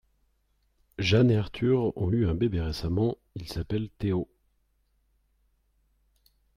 Jeanne et Arthur ont eu un bébé récemment, il s'appelle Théo.